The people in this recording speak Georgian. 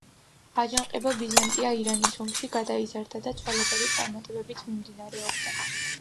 აჯანყება ბიზანტია-ირანის ომში გადაიზარდა და ცვალებადი წარმატებით მიმდინარეობდა.